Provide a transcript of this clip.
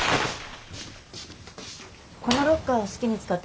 このロッカーを好きに使って下さい。